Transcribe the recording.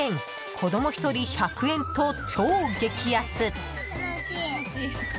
子供１人１００円と超激安！